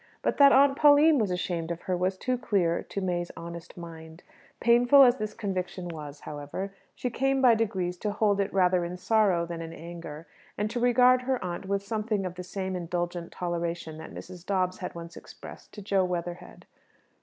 But that Aunt Pauline was ashamed of her was too clear to May's honest mind. Painful as this conviction was, however, she came by degrees to hold it rather in sorrow than in anger, and to regard her aunt with something of the same indulgent toleration that Mrs. Dobbs had once expressed to Jo Weatherhead.